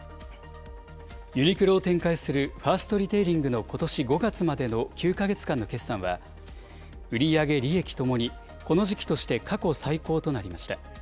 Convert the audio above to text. ユニクロを展開するファーストリテイリングのことし５月までの９か月間の決算は、売り上げ、利益ともにこの時期として過去最高となりました。